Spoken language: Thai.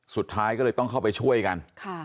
สุดท้ายก็เลยต้องเข้าไปช่วยกัน